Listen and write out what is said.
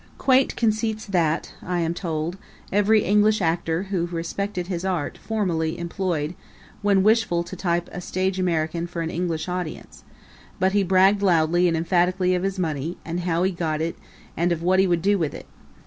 quaint conceits that, I am told, every English actor who respected his art formally employed when wishful to type a stage American for an English audience; but he bragged loudly and emphatically of his money and of how he got it and of what he would do with it.